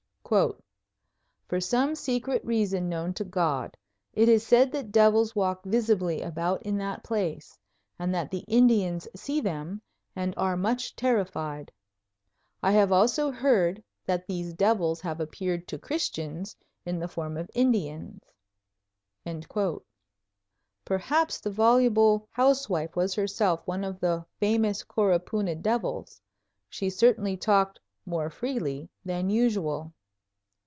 "For some secret reason known to God, it is said that devils walk visibly about in that place, and that the Indians see them and are much terrified. I have also heard that these devils have appeared to Christians in the form of Indians." Perhaps the voluble housewife was herself one of the famous Coropuna devils. She certainly talked "more freely" than usual.